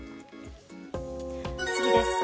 次です。